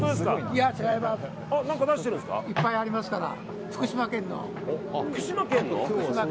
いっぱいありますから。